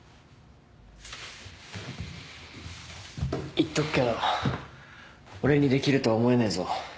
言っとくけど俺にできるとは思えねえぞ。